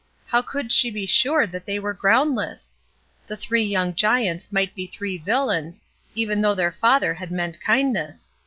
How could she be sure that they were ground less? The three young giants might be three villains, even though their father had meant kindness.